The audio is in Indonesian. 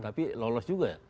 tapi lolos juga ya